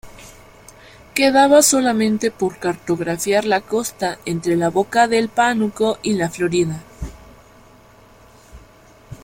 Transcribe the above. Quedaba solamente por cartografiar la costa entre la boca del Pánuco y la Florida.